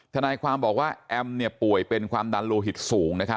ทนายความบอกว่าแอมป่วยเป็นความดันโลหิตสูง